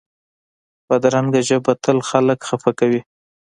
بدرنګه ژبه تل خلک خفه کوي